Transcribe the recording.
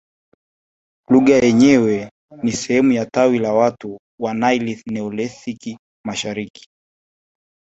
Lugha yenyewe ni sehemu ya tawi la watu wa Naili Neolithic mashariki